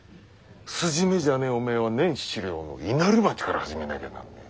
筋目じゃねえおめえは年７両の稲荷町から始めなきゃなんねえ。